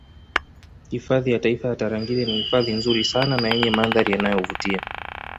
Hifadhi ya taifa ya Tarangire ni hifadhi nzuri sana na yenye mandhari yanayovutia